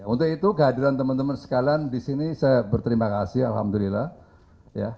untuk itu kehadiran teman teman sekalian di sini saya berterima kasih alhamdulillah ya